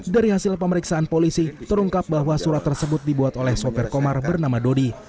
dari hasil pemeriksaan polisi terungkap bahwa surat tersebut dibuat oleh sopir komar bernama dodi